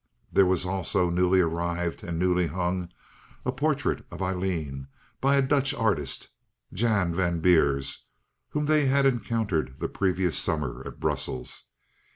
There was also, newly arrived and newly hung, a portrait of Aileen by a Dutch artist, Jan van Beers, whom they had encountered the previous summer at Brussels.